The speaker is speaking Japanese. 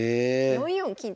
４四金と。